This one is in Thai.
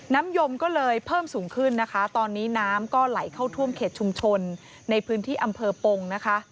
ยมก็เลยเพิ่มสูงขึ้นนะคะตอนนี้น้ำก็ไหลเข้าท่วมเขตชุมชนในพื้นที่อำเภอปงนะคะ